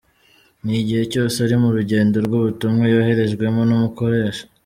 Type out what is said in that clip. N’ igihe cyose ari mu rugendo rw’ubutumwa yoherejwemo n’umukoresha.